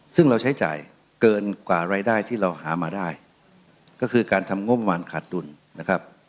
ซึ่งเราใช้จ่ายเกินกว่ารายได้ที่เราหามาได้ก็คือการทำงบประมาณขาดดุลนะครับ